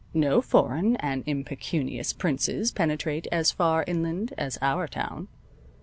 No foreign and impecunious princes penetrate as far inland as our town.